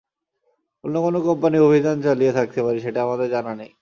অন্য কোনো কোম্পানি অভিযান চালিয়ে থাকতে পারে, সেটা আমাদের জানা নেই।